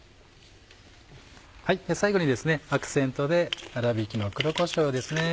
最後にアクセントで粗びきの黒こしょうですね。